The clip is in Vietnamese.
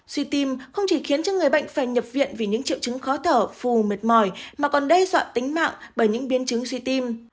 suy tim không chỉ khiến cho người bệnh phải nhập viện vì những triệu chứng khó thở phù mệt mỏi mà còn đe dọa tính mạng bởi những biến chứng suy tim